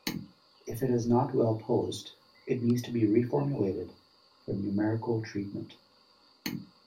If it is not well-posed, it needs to be re-formulated for numerical treatment.